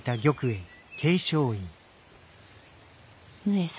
上様。